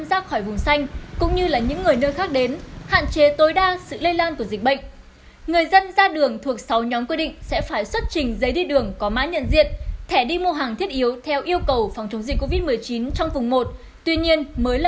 xin chào và hẹn gặp lại trong các bản tin tiếp theo